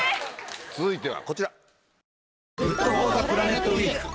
続いてはこちら。